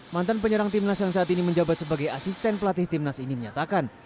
mantan penyerang tim nas yang saat ini menjabat sebagai asisten pelatih tim nas ini menyatakan